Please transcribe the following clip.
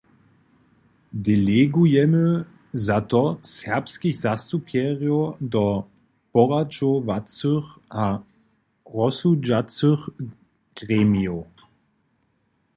Delegujemy za to serbskich zastupjerjow do poradźowacych a rozsudźacych gremijow.